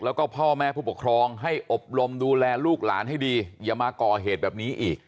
แล้วก็พ่อแม่ผู้ปกครองให้อบรมดูแลลูกหลานให้ดีอย่ามาก่อเหตุแบบนี้อีก